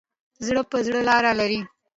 زړه په زړه لار لري.